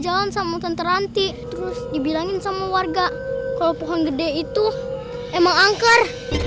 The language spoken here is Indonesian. jalan sama tenteranti terus dibilangin sama warga kalau pohon gede itu emang angker